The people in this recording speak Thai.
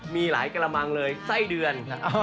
มีหลายกระมังเลยไส้เดือน